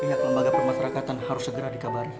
ia kelembaga permaterakatan harus segera dikabari